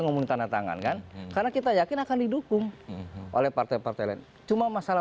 ngomong tanda tangan kan karena kita yakin akan didukung oleh partai partai lain cuma masalah